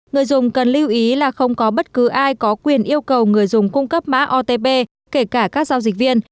người dùng cần lưu ý là không có bất cứ ai có quyền yêu cầu người dùng cung cấp mã otp kể cả các giao dịch viên